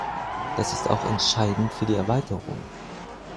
Das ist auch entscheidend für die Erweiterung.